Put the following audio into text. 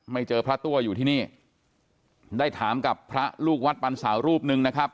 เจอพระตัวอยู่ที่นี่ได้ถามกับพระลูกวัดปันสาวรูปหนึ่งนะครับ